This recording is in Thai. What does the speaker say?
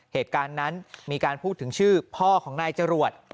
เหตุการณ์นั้นมีการพูดถึงชื่อพ่อของนายจรวด